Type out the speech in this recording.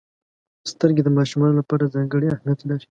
• سترګې د ماشومانو لپاره ځانګړې اهمیت لري.